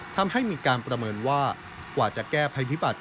ทำให้มีการประเมินว่ากว่าจะแก้ภัยพิบัติ